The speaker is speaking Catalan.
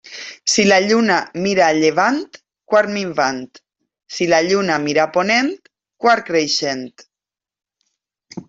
Si la lluna mira a llevant, quart minvant; si la lluna mira a ponent, quart creixent.